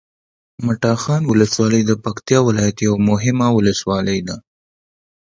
مټاخان ولسوالي د پکتیکا ولایت یوه مهمه ولسوالي ده